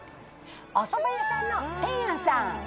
おそば屋さんの天庵さん。